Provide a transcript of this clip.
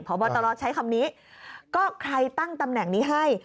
พบตรใช้คำนี้ก็ใครตั้งตำแหน่งนี้ให้